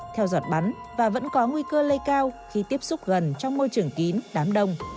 theo giọt bắn và vẫn có nguy cơ lây cao khi tiếp xúc gần trong môi trường kín đám đông